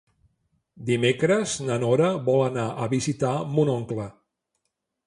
Dimecres na Nora vol anar a visitar mon oncle.